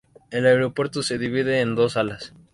El aeropuerto se divide en dos salas.